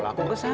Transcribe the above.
pak ibu fresa